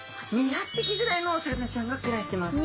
ぴきぐらいのお魚ちゃんが暮らしています。